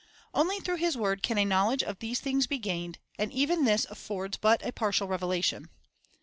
1 Only through His word can a knowledge of these things be gained; and even this affords but a partial revelation.